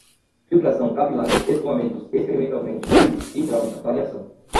filtração, capilares, escoamentos, experimentalmente, tubos, hidráulica, variação